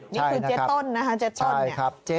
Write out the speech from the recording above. นี่คือเจ๊ต้นนะครับเจ๊ต้น